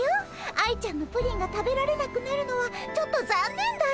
愛ちゃんのプリンが食べられなくなるのはちょっとざんねんだよ。